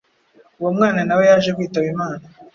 Uwo mwana nawe yaje kwitaba Imana,